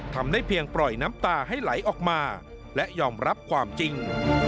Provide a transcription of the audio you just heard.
ทำได้เพียงปล่อยน้ำตาให้ไหลออกมาและยอมรับความจริง